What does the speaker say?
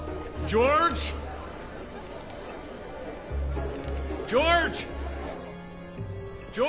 ジョージ！